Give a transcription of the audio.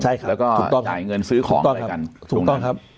แล้วก็จ่ายเงินซื้อของอะไรกันถูกต้องครับ